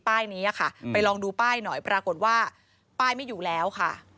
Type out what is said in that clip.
นี้ค่ะไปลองดูป้ายหน่อยปรากฏว่าป้ายไม่อยู่แล้วค่ะ